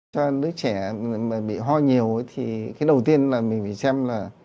cho đứa trẻ mà bị ho nhiều thì cái đầu tiên là mình phải xem là